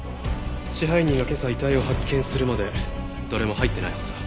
支配人が今朝遺体を発見するまで誰も入ってないはずだ。